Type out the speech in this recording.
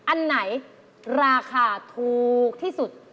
อันไหนราคาถูกที่สุด